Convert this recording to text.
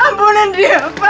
ambunin dia pak